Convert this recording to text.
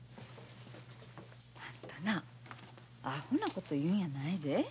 あんたなアホなこと言うんやないで。